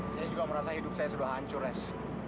saya juga merasa hidup saya sudah hancur res